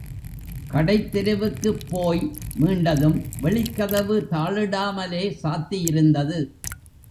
கடைத்தெருவுக்குப் போய் மீண்டதும் வெளிக்கதவு தாளிடாமலே சாத்தியிருந்தது.